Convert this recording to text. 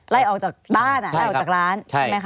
ไล่ออกจากบ้านไล่ออกจากร้าน